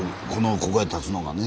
ここへ立つのがね。